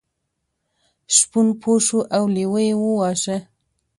شپون پوه شو او لیوه یې وواژه.